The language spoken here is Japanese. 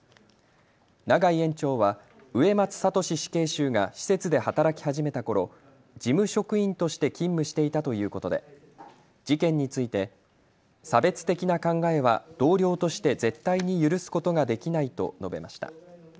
永井園長は植松聖死刑囚が施設で働き始めたころ事務職員として勤務していたということで事件について差別的な考えは同僚として絶対に許すことができないと述べました。